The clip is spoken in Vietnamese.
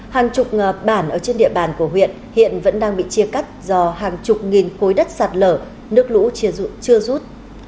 hàng chục bản ở trên địa bàn của huyện hiện vẫn đang bị chia cắt do hàng chục nghìn cối đất sạt lở nước lũ chưa rút